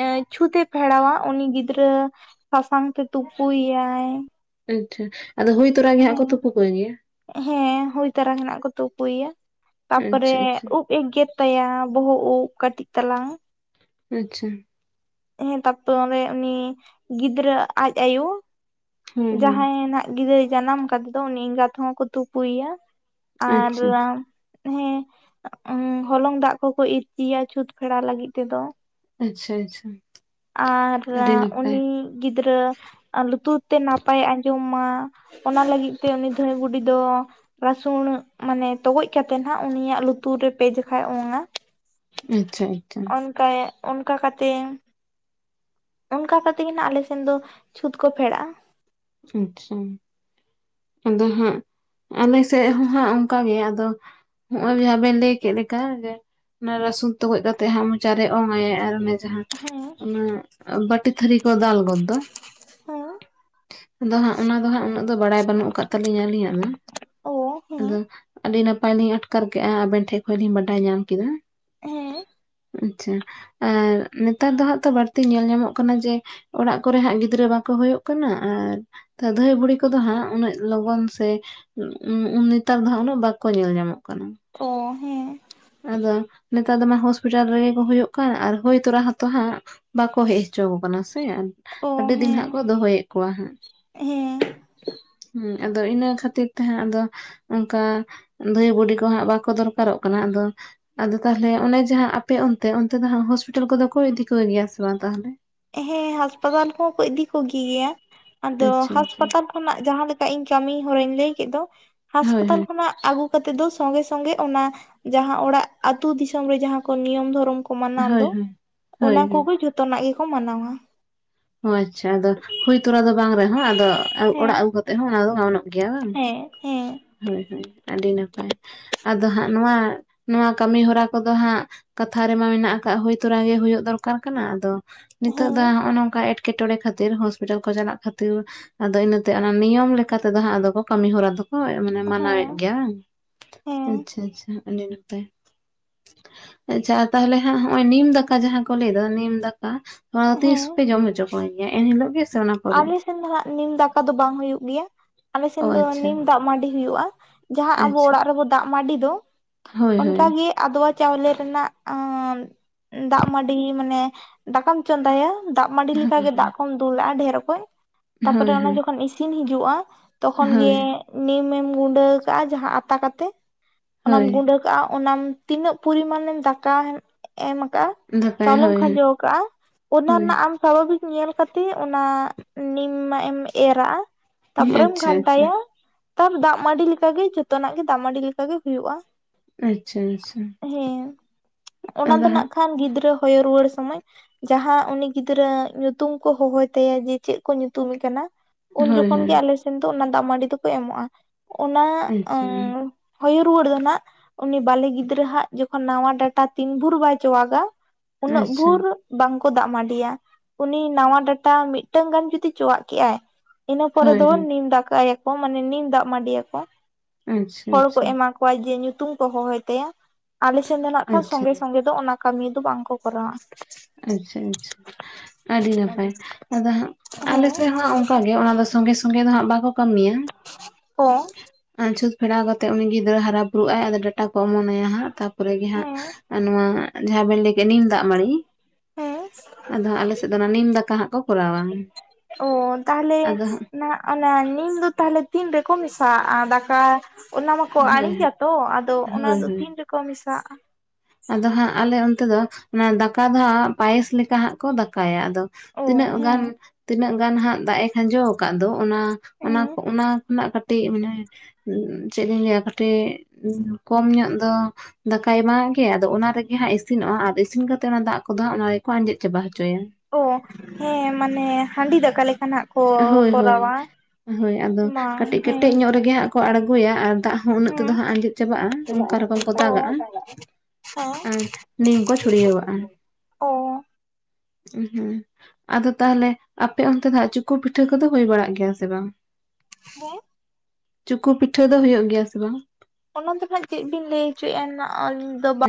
Speaker 1: ᱮ ᱪᱷᱩᱸᱛ ᱮ ᱯᱷᱮᱲᱟᱣᱟ ᱩᱱᱤ ᱜᱤᱫᱽᱨᱟᱹ ᱥᱟᱥᱟᱝ ᱛᱮ ᱛᱩᱯᱩᱭ ᱭᱟᱭ
Speaker 2: ᱟᱹᱭᱴᱷᱟᱹ ᱟᱫᱚ ᱦᱩᱭ ᱛᱚᱨᱟ ᱜᱮ ᱦᱟᱸᱜ ᱟᱠᱳ ᱛᱩᱠᱩ ᱠᱚ ᱜᱮᱭᱟ᱾
Speaker 1: ᱦᱮᱸ ᱦᱩᱭ ᱛᱟᱨᱟ ᱦᱮᱱᱟᱜ ᱠᱚ ᱛᱩᱯᱩᱭᱮᱭᱟ ᱛᱟᱯᱚᱨᱮ
Speaker 2: ᱟᱪᱪᱷᱟ ᱟᱪᱪᱷᱟ
Speaker 1: ᱜᱮᱛᱟᱭᱟ ᱵᱚᱦᱚᱜ ᱩᱵ ᱠᱟᱹᱴᱤᱡ ᱛᱟᱞᱟ
Speaker 2: ᱟᱪᱷᱟ
Speaker 1: ᱦᱮᱸ ᱛᱟᱯᱚᱨᱮ ᱩᱱᱤ ᱜᱤᱫᱽᱨᱟᱹ ᱟᱡ ᱟᱭᱳ
Speaker 2: ᱦᱩᱸ ᱦᱩᱸ
Speaker 1: ᱡᱟᱦᱟᱸᱭ ᱱᱟᱜ ᱜᱤᱫᱽᱨᱟᱹᱭ ᱡᱟᱱᱟᱢ ᱠᱟᱛᱮᱫ ᱫᱚ ᱩᱱᱤ ᱮᱸᱜᱟᱛ ᱦᱚᱸ ᱠᱚ ᱛᱩᱯᱩᱭᱮᱭᱟ ᱟᱨ
Speaker 2: ᱟᱪᱪᱷᱟ
Speaker 1: ᱦᱮᱸ ᱚᱦᱚᱝ ᱦᱚᱞᱚᱝ ᱫᱟᱜ ᱠᱚᱠᱚ ᱤᱨᱪᱤᱭᱟᱭ ᱪᱷᱩᱛ ᱯᱷᱮᱲᱟ ᱞᱟᱹᱜᱤᱫ ᱛᱮᱫᱚ
Speaker 2: ᱟᱪᱷᱟ ᱟᱪᱷᱟ
Speaker 1: ᱟᱨ ᱩᱱᱤ ᱜᱤᱫᱽᱨᱟᱹ ᱞᱩᱛᱩᱨ ᱛᱮ ᱱᱟᱯᱟᱭ ᱟᱸᱡᱚᱢ ᱢᱟ ᱚᱱᱟ ᱞᱟᱹᱜᱤᱫ ᱛᱮ ᱩᱱᱤ ᱫᱷᱟᱹᱭ ᱵᱩᱰᱷᱤ ᱫᱚ ᱨᱟᱹᱥᱩᱱ ᱢᱟᱱᱮ ᱛᱚᱜᱚᱡ ᱠᱟᱛᱮᱫ ᱱᱷᱟᱜ ᱩᱱᱤᱭᱟᱜ ᱞᱩᱛᱩᱨ ᱨᱮ ᱯᱮ ᱡᱮᱠᱷᱟᱭ ᱚᱝᱟ᱾
Speaker 2: ᱟᱪᱷᱟ
Speaker 1: ᱚᱱᱠᱟᱭ ᱚᱱᱠᱟ ᱠᱟᱛᱮ ᱚᱱᱠᱟ ᱠᱟᱛᱮᱜ ᱜᱮ ᱱᱟᱜ ᱟᱞᱮᱮᱥᱱ ᱫᱚ ᱪᱷᱩᱛ ᱠᱚ ᱯᱷᱮᱲᱟᱜᱼᱟ᱾
Speaker 2: ᱟᱪᱷᱟ ᱟᱫᱚ ᱦᱟᱸᱜ ᱟᱞᱮ ᱥᱮᱜ ᱦᱚᱸ ᱦᱟᱸᱜ ᱚᱱᱠᱟ ᱜᱮ ᱟᱫᱚ ᱦᱚᱸᱜᱼᱚᱸᱭ ᱡᱟᱦᱟᱸ ᱵᱮᱱ ᱞᱟᱹᱭ ᱠᱮᱫ ᱞᱮᱠᱟ ᱡᱮ ᱚᱱᱟ ᱨᱟᱹᱥᱩᱱ ᱛᱚᱜᱚᱡ ᱠᱟᱛᱮ ᱦᱟᱸᱜ ᱢᱚᱪᱟ ᱨᱮ ᱚᱝᱟᱭᱟᱭ ᱟᱨ ᱚᱱᱮ ᱡᱟᱦᱟᱸ
Speaker 1: ᱦᱮᱸ
Speaker 2: ᱚᱱᱮ ᱵᱟᱹᱴᱤ ᱛᱷᱟᱹᱨᱤ ᱠᱚ ᱫᱟᱞ ᱜᱚᱫ ᱫᱚ᱾
Speaker 1: ᱦᱮᱸ
Speaker 2: ᱟᱫᱚ ᱦᱟᱸᱜ ᱚᱱᱟ ᱫᱚ ᱦᱟᱸᱜ ᱩᱱᱟᱹᱜ ᱫᱚ ᱵᱟᱲᱟᱭ ᱵᱟᱹᱱᱩᱜ ᱠᱟᱜ ᱛᱟᱞᱤᱧᱟ ᱟᱹᱞᱤᱧᱟᱜ
Speaker 1: ᱚ
Speaker 2: *unintelligible*
Speaker 1: ᱦᱮᱸ
Speaker 2: ᱟᱫᱚ ᱟᱹᱰᱤ ᱱᱟᱯᱟᱭ ᱞᱤᱧ ᱟᱴᱠᱟᱨ ᱠᱮᱜᱼᱟ ᱟᱵᱮᱱ ᱴᱷᱮᱱ ᱠᱷᱚᱡ ᱞᱤᱧ ᱵᱟᱰᱟᱭ ᱧᱟᱢ ᱠᱮᱫᱟ᱾
Speaker 1: ᱦᱩᱸ
Speaker 2: ᱟᱪᱷᱟ ᱟᱨ ᱱᱮᱛᱟᱨ ᱫᱚ ᱦᱟᱸᱜ ᱛᱚ ᱵᱟᱹᱲᱛᱤ ᱧᱮᱞ ᱧᱟᱢᱚᱜ ᱠᱟᱱᱟ ᱡᱮ ᱚᱲᱟᱜ ᱠᱚᱨᱮ ᱦᱟᱸᱜ ᱜᱤᱫᱽᱨᱟᱹ ᱵᱟᱠᱚ ᱦᱚᱭᱳᱜ ᱠᱟᱱᱟ ᱟᱨ ᱫᱷᱟᱹᱭ ᱵᱩᱲᱦᱤ ᱠᱚᱫᱚ ᱦᱟᱸᱜ ᱞᱚᱜᱚᱱ ᱥᱮ ᱩᱢᱢ ᱱᱮᱛᱟᱨ ᱫᱚ ᱦᱟᱸᱜ ᱩᱱᱟᱹᱜ ᱵᱟᱠᱚ ᱧᱮᱞ ᱧᱟᱢᱚᱜ ᱠᱟᱱᱟ᱾
Speaker 1: ᱳ ᱦᱮᱸ
Speaker 2: ᱟᱫᱚ ᱱᱮᱛᱟᱨ ᱫᱚ ᱢᱟ ᱦᱚᱥᱯᱤᱴᱟᱞ ᱨᱮᱜᱮ ᱠᱚ ᱦᱩᱭᱳᱜ ᱠᱟᱱ ᱟᱨ ᱦᱩᱭ ᱛᱚᱨᱟ ᱦᱚᱸᱛᱚ ᱦᱟᱸᱜ ᱵᱟᱠᱚ ᱦᱮᱡ ᱦᱚᱪᱚᱣᱟᱠᱚ ᱠᱟᱱᱟ ᱥᱮ
Speaker 1: ᱚ
Speaker 2: ᱟᱹᱰᱤ ᱫᱤᱱ
Speaker 1: ᱦᱮᱸ
Speaker 2: ᱦᱟᱸᱜ ᱠᱚ ᱫᱚᱦᱚᱭᱮᱫ ᱠᱚᱣᱟ᱾
Speaker 1: ᱦᱮᱸ
Speaker 2: ᱦᱩᱸ ᱟᱫᱚ ᱤᱱᱟᱹ ᱠᱷᱟᱹᱛᱤᱨ ᱛᱮᱦᱟᱸᱜ ᱟᱫᱚ ᱚᱱᱠᱟ ᱫᱷᱟᱹᱭ ᱵᱩᱰᱤᱠᱚ ᱦᱟᱸᱜ ᱵᱟᱠᱚ ᱫᱚᱨᱠᱟᱨᱚᱜ ᱠᱟᱱᱟ ᱟᱫᱚ ᱟᱫᱚ ᱛᱟᱦᱚᱞᱮ ᱚᱱᱮ ᱡᱟᱦᱟᱸ ᱟᱯᱮ ᱚᱱᱛᱮ ᱚᱱᱛᱮ ᱫᱚ ᱦᱟᱸᱜ ᱦᱚᱥᱯᱤᱴᱟᱞ ᱠᱚᱫᱚ ᱠᱚᱭ ᱤᱫᱤ ᱠᱚ ᱜᱮᱭᱟ ᱥᱮ ᱵᱟᱝ ᱛᱟᱦᱚᱞᱮ
Speaker 1: ᱦᱮᱸ ᱦᱟᱸᱥᱯᱟᱛᱟᱞ ᱠᱚᱦᱚᱸ ᱠᱚ ᱤᱫᱤ ᱠᱚ ᱜᱮᱭᱟ ᱟᱫᱚ
Speaker 2: ᱟᱪᱪᱷᱟ ᱟᱪᱪᱷᱟ
Speaker 1: ᱦᱟᱸᱟᱥᱯᱟᱛᱟᱞ ᱠᱷᱚᱱᱟᱜ ᱡᱟᱦᱟᱸ ᱞᱮᱠᱟ ᱤᱧ ᱠᱟᱹᱢᱤ ᱦᱚᱨᱟᱹᱧ ᱞᱟᱹᱭ ᱠᱮᱫ ᱫᱚ
Speaker 2: ᱦᱳᱭ
Speaker 1: ᱦᱟᱸᱟᱥᱯᱟᱛᱟᱞ
Speaker 2: ᱦᱳᱭ
Speaker 1: ᱠᱷᱚᱱᱟᱜ ᱠᱟᱛᱮ ᱫᱚ ᱥᱚᱝᱜᱮ-ᱥᱚᱝᱜᱮ ᱚᱱᱟ ᱡᱟᱦᱟᱸ ᱚᱲᱟᱜ ᱟᱹᱛᱩ ᱫᱤᱥᱚᱢ ᱨᱮ ᱡᱟᱦᱟᱸ ᱠᱚ ᱱᱤᱭᱚᱢ ᱫᱷᱚᱨᱚᱢ ᱢᱟᱱᱟᱣ
Speaker 2: ᱦᱳᱭ
Speaker 1: ᱫᱚ
Speaker 2: ᱦᱳᱭ
Speaker 1: ᱚᱱᱟ
Speaker 2: ᱦᱳᱭ ᱦᱳᱭ
Speaker 1: ᱠᱚᱜᱮ ᱡᱚᱛᱚᱱᱟᱜ ᱜᱮᱠᱚ ᱢᱟᱱᱟᱣᱟ᱾
Speaker 2: ᱦᱳ ᱟᱪᱷᱟ ᱟᱫᱚ ᱦᱩᱭ ᱛᱚᱨᱟ ᱫᱚ ᱵᱟᱝ ᱨᱮᱦᱚᱸ ᱟᱫᱚ
Speaker 1: ᱦᱮᱸ
Speaker 2: ᱚᱲᱟᱜ ᱟᱹᱜᱩ ᱠᱟᱛᱮ ᱦᱚᱸ ᱚᱱᱟ ᱫᱚ ᱜᱟᱱᱚᱜ ᱜᱮᱭᱟ ᱵᱟᱝ
Speaker 1: ᱦᱮᱸ ᱦᱮᱸ
Speaker 2: ᱦᱳᱭ ᱦᱳᱭ ᱟᱹᱰᱤ ᱱᱟᱯᱟᱭ ᱟᱫᱚ ᱦᱟᱸᱜ ᱱᱚᱶᱟᱸ ᱱᱚᱶᱟᱸ ᱠᱟᱹᱢᱤ ᱦᱚᱨᱟ ᱠᱚᱫᱚ ᱦᱟᱸᱜ ᱠᱟᱛᱷᱟ ᱨᱮᱢᱟ ᱢᱮᱱᱟᱜ ᱠᱟᱜᱼᱟ ᱦᱩᱭ ᱛᱚᱨᱟ ᱜᱮ ᱦᱩᱭᱩᱜ ᱫᱚᱨᱠᱟᱨ ᱠᱟᱱᱟ ᱟᱫᱚ ᱱᱤᱛᱚᱜ
Speaker 1: ᱦᱮᱸ
Speaker 2: ᱫᱚ ᱦᱚᱸᱜᱼᱚᱸᱭ ᱚᱱᱠᱟ ᱮᱴᱠᱮᱴᱚᱬᱮ ᱠᱷᱟᱹᱛᱤᱨ ᱦᱚᱥᱯᱤᱴᱟᱞ ᱠᱚ ᱪᱟᱞᱟᱜ ᱠᱷᱟᱹᱛᱤᱨ ᱟᱫᱚ ᱤᱱᱟᱹᱛᱮ ᱚᱱᱟ ᱱᱤᱭᱚᱢ ᱞᱮᱠᱟ ᱞᱮᱠᱟᱛᱮ ᱫᱚ ᱦᱟᱸᱜ ᱟᱫᱚ ᱠᱚ ᱠᱟᱹᱢᱤ ᱦᱚᱨᱟ ᱦᱳᱭ ᱢᱟᱱᱮ ᱢᱟᱱᱟᱣᱮᱫ
Speaker 1: ᱦᱮᱸ
Speaker 2: ᱜᱮᱭᱟ
Speaker 1: ᱦᱮᱸ
Speaker 2: ᱟᱸᱪᱷᱟ ᱟᱪᱷᱟ ᱟᱹᱰᱤ ᱱᱟᱯᱟᱭ᱾ ᱟᱪᱪᱷᱟ ᱟᱨ ᱛᱟᱦᱞᱮ ᱦᱟᱸᱜ ᱱᱚᱜᱼᱚᱭ ᱱᱤᱢ ᱫᱟᱠᱟ ᱡᱟᱦᱟᱸ ᱠᱚ ᱞᱟᱹᱭ ᱫᱟ ᱱᱤᱢ ᱫᱟᱠᱟ ᱱᱚᱣᱟ
Speaker 1: ᱦᱮᱸ
Speaker 2: ᱛᱤᱥᱯᱮ ᱡᱚᱢ ᱦᱚᱪᱚ ᱠᱚᱜᱮ ᱜᱮᱭᱟ ᱮᱱ ᱦᱤᱞᱳᱜ ᱜᱮ ᱥᱮ ᱚᱱᱟ ᱯᱚᱨᱮ?
Speaker 1: ᱟᱞᱮ ᱥᱮᱱ ᱫᱚ ᱦᱟᱸᱜ ᱱᱤᱢ ᱫᱟᱠᱟ ᱫᱚ ᱵᱟᱝ ᱦᱩᱭᱩᱜ ᱜᱮᱭᱟ ᱟᱞᱮ
Speaker 2: ᱚ
Speaker 1: ᱥᱮᱱ ᱫᱚ
Speaker 2: ᱟᱪᱪᱷᱟ
Speaker 1: ᱱᱤᱢ ᱫᱟᱜ ᱢᱟᱸᱰᱤ ᱦᱩᱭᱩᱜᱼᱟ᱾ ᱡᱟᱦᱟᱸ ᱟᱵᱚ
Speaker 2: ᱟᱪᱪᱷᱟ
Speaker 1: ᱚᱲᱟᱜ ᱨᱮᱵᱚ ᱫᱟᱜ ᱢᱟᱺᱰᱤ ᱫᱚ
Speaker 2: ᱦᱳᱭ ᱦᱳᱭ
Speaker 1: ᱚᱱᱠᱟᱜᱮ ᱟᱫᱽᱣᱟ ᱪᱟᱣᱞᱮ ᱨᱮᱱᱟᱜ ᱫᱟᱜ ᱢᱟᱸᱰᱤ ᱢᱟᱱᱮ ᱫᱟᱠᱟᱢ ᱪᱚᱸᱫᱟᱭᱟ ᱫᱟᱜ ᱢᱟᱸᱰᱤ
Speaker 2: ᱦᱳᱭ
Speaker 1: ᱞᱮᱠᱟᱜᱮ ᱫᱟᱜ ᱠᱚᱢ ᱫᱩᱞᱟᱜᱼᱟ, ᱰᱷᱮᱨ ᱚᱠᱚᱡ
Speaker 2: ᱦᱳᱭ
Speaker 1: ᱛᱟᱯᱚᱨᱮ ᱚᱱᱟ
Speaker 2: ᱦᱳᱭ
Speaker 1: ᱡᱚᱠᱷᱚᱱ ᱤᱥᱤᱱ ᱦᱤᱡᱩᱜᱼᱟ, ᱛᱚᱠᱷᱚᱱ ᱜᱮ
Speaker 2: ᱦᱳᱭ
Speaker 1: ᱱᱤᱢ ᱮᱢ ᱜᱩᱸᱰᱟᱹ ᱠᱟᱜᱼᱟ ᱡᱟᱦᱟᱸ ᱟᱛᱟ ᱠᱟᱛᱮᱜ ᱚᱱᱟᱢ
Speaker 2: ᱦᱳᱭ
Speaker 1: ᱜᱩᱸᱰᱟᱹ ᱠᱟᱜᱼᱟ ᱚᱱᱟᱢ ᱛᱤᱱᱟᱹᱜ ᱯᱚᱨᱤᱢᱟᱱᱮᱢ ᱫᱟᱠᱟ ᱮᱢ ᱠᱟᱜᱼᱟ
Speaker 2: ᱫᱟᱠᱟᱭ
Speaker 1: ᱪᱟᱣᱞᱮᱢ
Speaker 2: ᱦᱳᱭ
Speaker 1: ᱠᱷᱟᱸᱡᱚ ᱠᱟᱜᱼᱟ ᱚᱱᱟ
Speaker 2: ᱦᱳᱭ
Speaker 1: ᱨᱮᱱᱟᱜ ᱟᱢ ᱥᱟᱵᱷᱟᱵᱤᱠ ᱧᱮᱞ ᱠᱟᱛᱮᱜ ᱚᱱᱟ ᱱᱤᱢᱟᱜ ᱮᱢ ᱮᱨᱟᱜᱼᱟ ᱛᱟᱯᱚᱨᱮᱢ
Speaker 2: ᱟᱪᱪᱷᱟ ᱟᱪᱪᱷᱟ
Speaker 1: ᱜᱷᱟᱱᱴᱟᱭᱟ ᱛᱟᱨᱯᱚᱨ ᱫᱟᱜ ᱢᱟᱸᱰᱤ ᱞᱮᱠᱟ ᱜᱮ ᱡᱚᱛᱚᱱᱟᱜ ᱜᱮ ᱫᱟᱜ ᱢᱟᱸᱰᱤ ᱞᱮᱠᱟ ᱜᱮ ᱦᱩᱭᱩᱜᱼᱟ᱾
Speaker 2: ᱟᱪᱪᱷᱟ ᱟᱪᱪᱷᱟ
Speaker 1: ᱦᱮᱸ ᱚᱱᱟ
Speaker 2: ᱟᱫᱚ
Speaker 1: ᱫᱚ ᱱᱟᱜ
Speaker 2: ᱦᱟᱸᱜ
Speaker 1: ᱠᱷᱟᱱ ᱜᱤᱫᱽᱨᱟᱹ ᱦᱳᱭ ᱨᱩᱣᱟᱹᱲ ᱥᱚᱢᱚᱭ ᱡᱟᱦᱟᱸ ᱩᱱᱤ ᱜᱤᱫᱽᱨᱟᱹ ᱧᱩᱛᱩᱢ ᱠᱚ ᱦᱚᱦᱚᱭ ᱛᱟᱭᱟ ᱪᱮᱫ ᱠᱚ ᱧᱩᱛᱩᱢᱮ ᱠᱟᱱᱟ ᱩᱱ
Speaker 2: ᱦᱳᱭ
Speaker 1: ᱡᱚᱠᱷᱚᱱ
Speaker 2: ᱦᱳᱭ
Speaker 1: ᱜᱮ ᱟᱞᱮ ᱥᱮᱱ ᱫᱚ ᱚᱱᱟ ᱫᱟᱜ ᱢᱟᱸᱰᱤ ᱫᱚᱠᱚ ᱮᱢᱚᱜᱼᱟ᱾ ᱚᱱᱟ
Speaker 2: ᱟᱪᱪᱷᱟ
Speaker 1: ᱦᱩᱭ ᱨᱩᱣᱟᱹᱲ ᱫᱚ ᱱᱟᱜ ᱩᱱᱤ ᱵᱟᱞᱮ ᱜᱤᱫᱽᱨᱟᱹ ᱦᱟᱸᱜ ᱡᱚᱠᱷᱚᱱ ᱱᱟᱣᱟ ᱰᱟᱴᱟ ᱛᱤᱱ ᱵᱷᱳᱨ ᱵᱟᱭ ᱪᱚᱣᱟᱜᱟ ᱩᱱᱟᱹᱜ
Speaker 2: ᱟᱪᱪᱷᱟ
Speaker 1: ᱵᱷᱳᱨ ᱵᱟᱝ ᱠᱚ ᱫᱟᱜ ᱢᱟᱸᱰᱤᱭᱟ ᱩᱱᱤ ᱱᱟᱣᱟ ᱰᱟᱴᱟ ᱢᱤᱫ ᱢᱤᱫᱴᱟᱝ ᱜᱟᱱ ᱡᱩᱫᱤ ᱪᱚᱣᱟᱜ ᱠᱮᱜᱼᱟᱭ ᱤᱱᱟᱹ ᱯᱚᱨᱮ
Speaker 2: ᱦᱳᱭ
Speaker 1: ᱫᱚ
Speaker 2: ᱦᱳᱭ
Speaker 1: ᱱᱤᱢ ᱫᱟᱠᱟᱭ ᱠᱚ ᱢᱟᱱᱮ ᱱᱤᱢ ᱫᱟᱜ ᱢᱟᱹᱰᱤᱭᱟᱠᱚ
Speaker 2: ᱟᱪᱪᱷᱟ
Speaker 1: ᱦᱚᱲ ᱠᱚ
Speaker 2: ᱟᱪᱪᱷᱟ
Speaker 1: ᱮᱢᱟ ᱠᱚ ᱠᱚᱣᱟ ᱡᱮ ᱧᱩᱛᱩᱢ ᱠᱚ ᱦᱚᱦᱚᱭ ᱛᱟᱭᱟ ᱟᱞᱮ ᱥᱮᱱ ᱫᱚ ᱱᱟᱜ ᱠᱷᱟᱱ
Speaker 2: ᱟᱪᱪᱷᱟ
Speaker 1: ᱥᱚᱸᱜᱮ ᱥᱚᱸᱜᱮ ᱫᱚ ᱚᱱᱟ ᱠᱟᱹᱢᱤ ᱫᱚ ᱵᱟᱝ ᱠᱚ ᱠᱚᱨᱟᱣᱟ᱾
Speaker 2: ᱟᱪᱪᱷᱟ ᱟᱪᱪᱷᱟ ᱟᱹᱰᱤ ᱱᱟᱯᱟᱭ ᱟᱫᱚ ᱦᱟᱸᱜ, ᱟᱞᱮ
Speaker 1: ᱦᱮᱸ
Speaker 2: ᱥᱮᱫ ᱦᱚᱸ ᱚᱱᱠᱟ ᱜᱮ ᱫᱚ ᱥᱚᱸᱜᱮ ᱥᱚᱸᱜᱮ ᱫᱚ ᱦᱟᱸᱜ ᱵᱟᱠᱚ ᱠᱟᱹᱢᱤᱭᱟ᱾
Speaker 1: *unintelligible*
Speaker 2: ᱟᱨ ᱪᱷᱩᱛ ᱯᱷᱮᱲᱟᱣ ᱠᱟᱛᱮ ᱩᱱᱤ ᱜᱤᱫᱽᱨᱟᱹ ᱦᱟᱨᱟ ᱵᱩᱨᱩᱜ ᱟᱭ ᱟᱫᱚ ᱴᱟ ᱠᱚ ᱚᱢᱚᱱᱭᱟ ᱦᱟᱸᱜ ᱛᱟᱯᱚᱨᱮ ᱜᱮ ᱦᱟᱸᱜ
Speaker 1: ᱦᱮᱸ
Speaker 2: ᱱᱚᱣᱟ ᱡᱟᱦᱟᱸ ᱵᱮᱱ ᱞᱟᱹᱭ ᱠᱮᱫ ᱱᱤᱢ ᱫᱟᱜ ᱢᱟᱹᱲᱤ
Speaker 1: ᱦᱮᱸ
Speaker 2: ᱟᱫᱚ ᱦᱟᱸᱜ ᱟᱞᱮ ᱥᱮᱫ ᱫᱚ ᱚᱱᱟ ᱱᱤᱢ ᱫᱟᱠᱟ ᱦᱟᱸᱜ ᱠᱚ ᱠᱚᱨᱟᱣᱟ᱾
Speaker 1: ᱚ ᱛᱟᱦᱚᱞᱮ
Speaker 2: ᱟᱫᱚ ᱦᱟᱸᱜ
Speaker 1: ᱱᱟ ᱚᱱᱟ ᱱᱤᱢ ᱫᱚ ᱛᱟᱦᱞᱮ ᱛᱤᱱ ᱨᱮᱠᱚ ᱢᱮᱥᱟᱣᱟᱜᱼᱟ ᱫᱟᱠᱟ ᱚᱱᱟ ᱢᱟᱠᱚ
Speaker 2: ᱦᱳᱭ
Speaker 1: ᱟᱲᱤᱡᱟ ᱛᱚ ᱟᱫᱚ ᱚᱱᱟ
Speaker 2: ᱦᱳᱭ
Speaker 1: ᱫᱚ
Speaker 2: ᱦᱳᱭ
Speaker 1: ᱛᱤᱱ ᱨᱮᱠᱚ ᱢᱮᱥᱟᱜᱼᱟ?
Speaker 2: ᱟᱫᱚ ᱦᱟᱸᱜ ᱟᱞᱮ ᱚᱱᱛᱮ ᱫᱚ ᱚᱱᱟ ᱫᱟᱠᱟ ᱫᱚ ᱦᱟᱸᱜ ᱯᱟᱭᱮᱥ ᱞᱮᱠᱟ ᱦᱟᱸᱜ ᱠᱚ ᱫᱟᱠᱟᱭᱟ
Speaker 1: ᱚ
Speaker 2: ᱛᱤᱱᱟᱹᱜ
Speaker 1: ᱦᱮᱸ
Speaker 2: ᱜᱟᱱ ᱛᱤᱱᱟᱹᱜ ᱜᱟᱱ ᱦᱟᱸᱜ ᱫᱟᱜ ᱮ ᱠᱷᱟᱸᱡᱚ ᱟᱠᱟᱫ ᱫᱚ ᱚᱱᱟ ᱚᱱᱟ
Speaker 1: ᱦᱮᱸ
Speaker 2: ᱚᱱᱟ ᱠᱷᱚᱱᱟᱜ ᱠᱟᱹᱴᱤᱡ ᱢᱟᱱᱮ ᱪᱮᱫ ᱤᱧ ᱞᱟᱹᱭᱟ ᱠᱟᱹᱴᱤᱡ ᱠᱚᱢ ᱧᱚᱜ ᱫᱚ ᱫᱟᱠᱟᱭ ᱮᱢᱟ ᱦᱮᱸ ᱟᱫᱚ ᱚᱱᱟ ᱨᱮᱜᱮ ᱦᱟᱸᱜ ᱤᱥᱤᱱᱚᱜᱼᱟ ᱟᱨ ᱤᱥᱤᱱ ᱠᱟᱛᱮ ᱚᱱᱟ ᱫᱟᱜ ᱠᱚᱫᱚ ᱦᱟᱸᱜ ᱚᱱᱟ ᱜᱮᱠᱚ ᱟᱸᱡᱮᱫ ᱪᱟᱵᱟ ᱦᱚᱪᱚᱭᱟ᱾
Speaker 1: ᱚ ᱦᱮᱸ ᱢᱟᱱᱮ ᱦᱟᱺᱰᱤ ᱫᱟᱠᱟ ᱞᱮᱠᱟᱱᱟᱜ ᱠᱚ
Speaker 2: ᱦᱳᱭ ᱦᱳᱭ
Speaker 1: ᱠᱚᱨᱟᱣᱟ᱾
Speaker 2: ᱦᱳᱭ ᱟᱫᱚ
Speaker 1: ᱵᱟᱝ
Speaker 2: ᱠᱟᱹᱴᱤᱡ
Speaker 1: ᱦᱮᱸ
Speaker 2: ᱠᱮᱴᱮᱡ ᱧᱚᱜ ᱨᱮᱜᱮ ᱦᱟᱸᱜ ᱠᱚ ᱟᱬᱜᱚᱭᱟ ᱟᱨ ᱫᱟᱜ ᱦᱚᱸ ᱩᱱᱟᱹᱜ ᱛᱮᱫᱚ ᱦᱟᱸᱜ
Speaker 1: ᱦᱮᱸ
Speaker 2: ᱟᱸᱡᱮᱫ ᱪᱟᱵᱟᱜᱼᱟ ᱚᱱᱠᱟ ᱨᱚᱠᱚᱢ ᱠᱚ ᱫᱟ
Speaker 1: ᱚ
Speaker 2: ᱜᱟ ᱟ
Speaker 1: ᱦᱮᱸ
Speaker 2: ᱟᱨ ᱱᱤᱢ ᱠᱚ ᱪᱷᱩᱲᱭᱟᱹᱣᱟᱜᱼᱟ᱾
Speaker 1: ᱚ
Speaker 2: ᱦᱩᱸ ᱟᱫᱚ ᱛᱟᱦᱞᱮ ᱟᱯᱮ ᱚᱱᱛᱮ ᱫᱚ ᱦᱟᱸᱜ ᱪᱩ ᱠᱩ ᱯᱤᱴᱷᱟᱹ ᱠᱚᱫᱚ ᱦᱩᱭ ᱵᱟᱲᱟᱜ ᱜᱮᱭᱟ ᱥᱮ ᱵᱟᱝ?
Speaker 1: ᱦᱮ
Speaker 2: ᱪᱩᱠᱩ ᱯᱤᱴᱷᱟᱹ ᱫᱚ ᱦᱩᱭᱩᱜ ᱜᱮᱭᱟ ᱥᱮ ᱵᱟᱝ?
Speaker 1: ᱚᱱᱟ ᱫᱚ ᱱᱟᱜ ᱪᱮᱫ ᱵᱤᱱ ᱞᱟᱹᱭ ᱦᱚᱪᱚᱭᱮᱫᱼᱟ ᱟᱞᱤᱧ ᱫᱚ ᱵᱟ